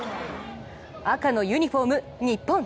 赤のユニフォーム、日本。